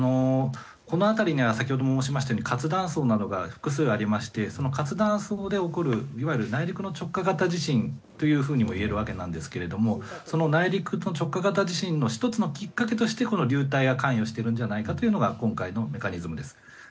この辺りには活断層などが複数ありましてその活断層で起こるいわゆる内陸の直下型地震ともいえるわけなんですが内陸の直下型地震の１つのきっかけとしてこの流体が関与しているのではないかというのが今回のメカニズムです。